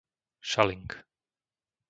Šaling